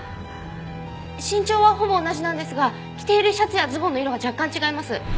身長はほぼ同じなんですが着ているシャツやズボンの色が若干違います。